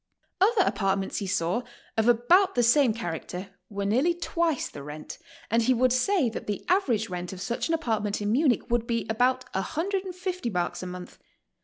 Other apartments he saw of about the same charac ter were nearly twice the rent, and he would say that the avrage rent of such an apartment in Munich would be about 150 marks a month.